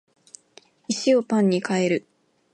石をパンに変える